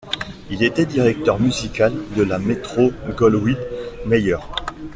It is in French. Il était directeur musical de la Metro-Goldwyn-Mayer.